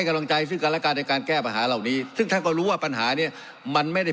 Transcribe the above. กำลังใจซึ่งกันและกันในการแก้ปัญหาเหล่านี้ซึ่งท่านก็รู้ว่าปัญหาเนี้ยมันไม่ได้